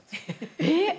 えっ！？